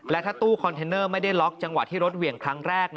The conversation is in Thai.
และถ้าตู้คอนเทนเนอร์ไม่ได้ล็อกจังหวะที่รถเหวี่ยงครั้งแรก